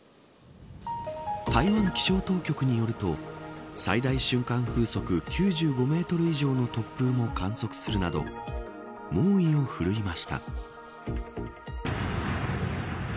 台湾気象当局によると最大瞬間風速９５メートル以上の突風も観測するなど猛威を振るいました。